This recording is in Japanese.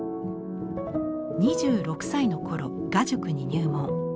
２６歳の頃画塾に入門。